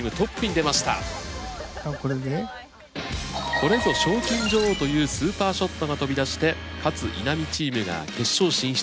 これぞ賞金女王というスーパーショットが飛び出して勝・稲見チームが決勝進出。